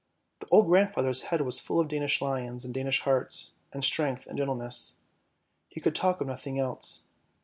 The old grandfather's head was full of Danish lions and Danish hearts and strength and gentleness; he could talk of nothing else.